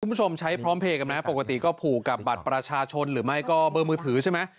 คุณผู้ชมใช้พร้อมเพลย์กันไหมปกติก็ผูกกับบัตรประชาชนหรือไม่ก็เบอร์มือถือใช่ไหม